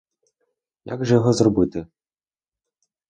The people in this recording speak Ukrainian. Як же його зробити?